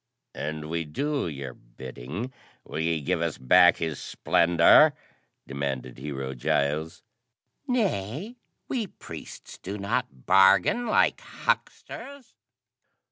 "And we do your bidding, will ye give us back His Splendor?" demanded Hero Giles. "Nay we priests do not bargain like hucksters."